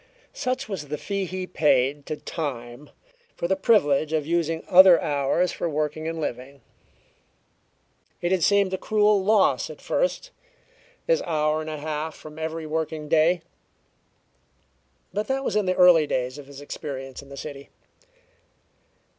Such was the fee he paid to Time for the privilege of using other hours for working and living. It had seemed a cruel loss at first this hour and a half from every working day but that was in the early days of his experience in the city.